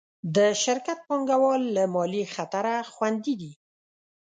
د شرکت پانګهوال له مالي خطره خوندي دي.